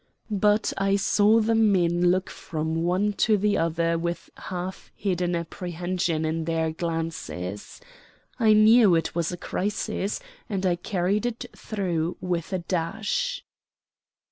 But I saw the men look from one to the other with half hidden apprehension in their glances. I knew it was a crisis, and I carried it through with a dash.